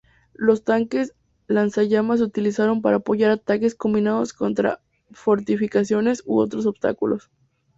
Los tanques lanzallamas se utilizaron para apoyar ataques combinados contra fortificaciones u otros obstáculos.